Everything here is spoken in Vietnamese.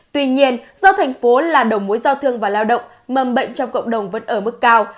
tuy nhiên do thành phố là đầu mối giao thương và lao động mầm bệnh trong cộng đồng vẫn ở mức cao